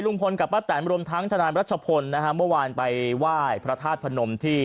ลุงพลกับป้าแตนบรมทั้งธนาบรัชพลนะฮะเมื่อวานไปว่ายพระธาตุพระนมที่